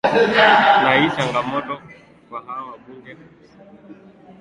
na hii ni changamoto kwa hao wabunge sasa walioingia